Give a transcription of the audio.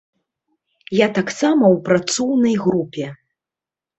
Я таксама ў працоўнай групе.